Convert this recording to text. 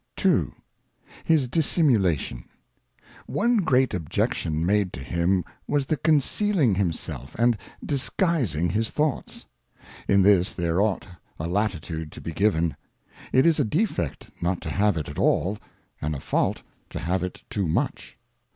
II. His Dissimulation. ONE great Objection made to him was the concealing him self, and disguising his Thoughts. In this there ought a Latitude to be given ; it is a Defect not to have it at all, and a Fault to have it too much.